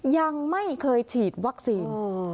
ยังไม่เคยฉีดวัคซีน